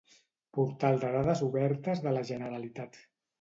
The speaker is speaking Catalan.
Portal de dades obertes de la Generalitat.